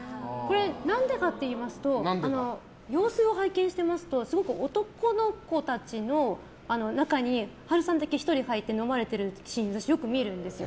何でかっていいますと様子を拝見していますと男の子たちの中に華さんだけ１人入って飲まれているシーンを私はよく見るんですよ。